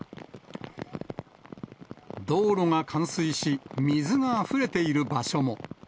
道路が冠水し、水があふれている場所も。